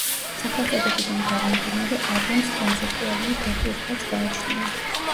სახელწოდებიდან გამომდინარე, ალბომს კონცეპტუალური დატვირთვაც გააჩნია.